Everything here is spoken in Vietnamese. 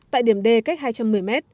tại điểm d cách hai trăm một mươi m